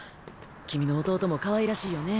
君の弟もかわいらしいよね。